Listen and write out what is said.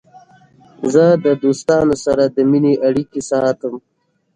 زه د دوستانو سره د مینې اړیکې ساتم.